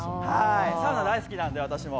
サウナ大好きなんで、私も。